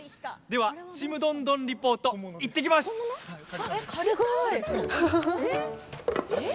では「ちむどんどん」リポートいってきます！じゃん！